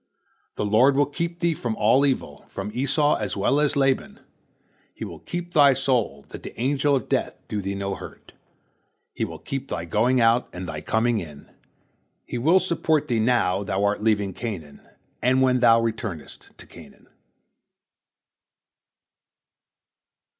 The Lord will keep thee from all evil, from Esau as well as Laban; He will keep thy soul, that the Angel of Death do thee no hurt; He will keep thy going out and thy coming in, He will support thee now thou art leaving Canaan, and when thou returnest to Canaan."